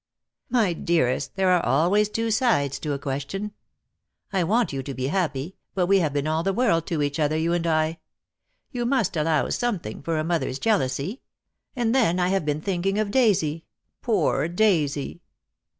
"My dearest, there are always two sides to a question. I want you to be happy — but we have been all the world to each other, you and I. You must allow something for a mother's jealousy. And then I have been thinking of Daisy — poor Daisy!"